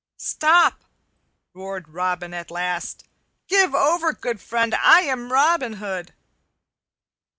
"Stop!" roared Robin at last. "Give over, good friend, I am Robin Hood!"